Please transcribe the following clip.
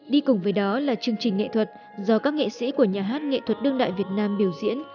đi cùng với đó là chương trình nghệ thuật do các nghệ sĩ của nhà hát nghệ thuật đương đại việt nam biểu diễn